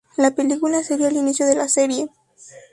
La película sería el inicio de la serie.